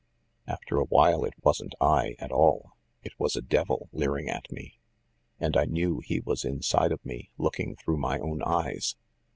After a while it wasn't I, at all. It was a devil leering at me, and I knew he was inside of me looking through my own eyes.